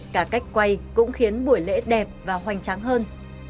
cả cách quay cũng khiến buổi lễ đẹp và hoành tráng hơn